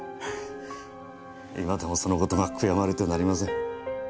今でもその事が悔やまれてなりません。